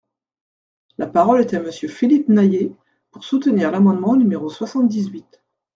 La parole est à Monsieur Philippe Naillet, pour soutenir l’amendement numéro soixante-dix-huit.